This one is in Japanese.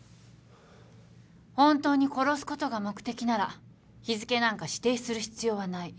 本当に殺すことが目的なら日付なんか指定する必要はない。